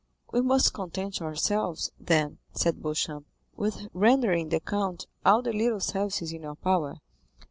"We must content ourselves, then," said Beauchamp, "with rendering the count all the little services in our power.